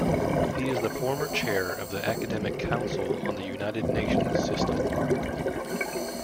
He is the former chair of the Academic Council on the United Nations System.